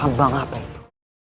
rambang apa itu